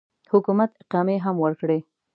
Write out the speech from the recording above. حکومت اقامې هم ورکړي.